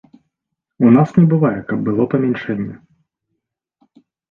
У нас не бывае, каб было памяншэнне.